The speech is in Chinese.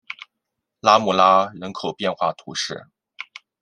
拉穆拉人口变化图示